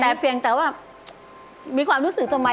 แต่เพียงแต่ว่ามีความรู้สึกทำไม